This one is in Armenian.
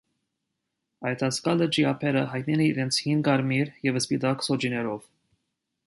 Այտասկա լճի ափերը հայտնի են իրենց հին կարմիր և սպիտակ սոճիներով։